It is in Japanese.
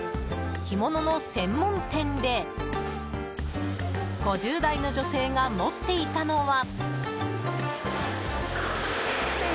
干物の専門店で５０代の女性が持っていたのは。